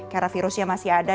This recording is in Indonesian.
karena virusnya masih ada